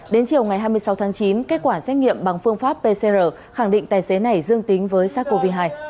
đến chiều ngày hai mươi sáu tháng chín kết quả xét nghiệm bằng phương pháp pcr khẳng định tài xế này dương tính với sars cov hai